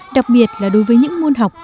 đặc biệt là đối với những môn học